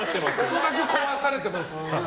恐らく壊されてます。